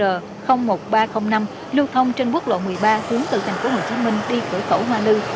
điện số sáu mươi ba nghìn ba trăm linh năm lưu thông trên quốc lộ một mươi ba xuống từ thành phố hồ chí minh đi khởi khẩu hoa lư